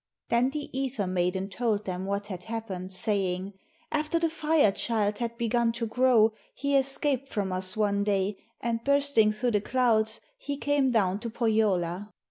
Then the Ether maiden told them what had happened, saying: 'After the Fire child had begun to grow, he escaped from us one day and bursting through the clouds he came down to Pohjola.